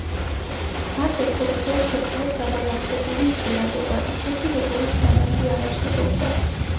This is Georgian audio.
მათ ერთობლივად შექმნეს დაბალანსებული ჟღერადობა, ისეთი, როგორიც მანამდე არ არსებობდა.